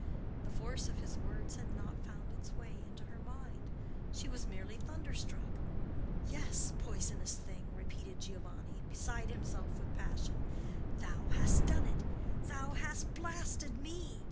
The force of his words had not found its way into her mind; she was merely thunderstruck. "Yes, poisonous thing!" repeated Giovanni, beside himself with passion. "Thou hast done it! Thou hast blasted me!